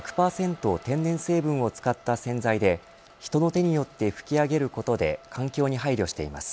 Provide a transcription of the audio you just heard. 天然成分を使った洗剤で人の手によって拭き上げることで環境に配慮しています。